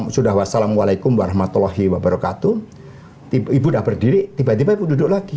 sudah wassalamualaikum ⁇ warahmatullahi wabarakatuh ibu sudah berdiri tiba tiba ibu duduk lagi